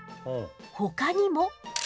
ほかにも。